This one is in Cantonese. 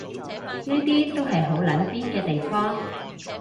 呢啲都係好撚癲嘅地方